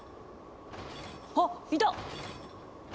あっいた！